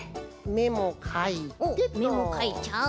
おっめもかいちゃう。